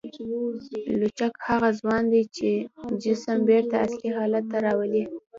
لچک هغه ځواک دی چې جسم بېرته اصلي حالت ته راولي.